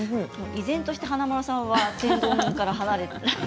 依然として華丸さんは天丼から離れない。